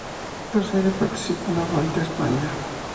Tras ello participa en la Vuelta a España.